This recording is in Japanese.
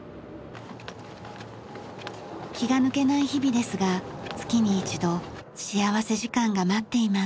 気が抜けない日々ですが月に一度幸福時間が待っています。